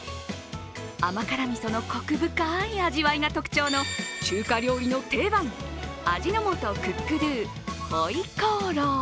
甘辛みそのコク深い味わいが特徴の中華料理の定番味の素クックドゥ回鍋肉。